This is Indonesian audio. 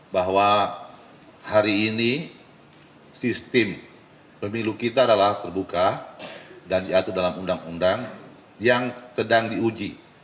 bahwa hari ini sistem pemilu kita adalah terbuka dan diatur dalam undang undang yang sedang diuji